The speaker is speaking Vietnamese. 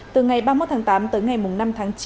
từ ngày ba mươi một tháng tám tới ngày năm tháng chín